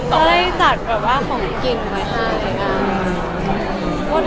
ใช่จัดแบบว่าของกินไว้ค่ะ